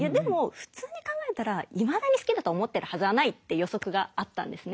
普通に考えたらいまだに好きだと思ってるはずはないって予測があったんですね。